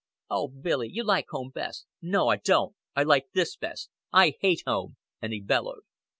"O Billy, you like home best." "No, I don't. I like this best. I hate home;" and he bellowed.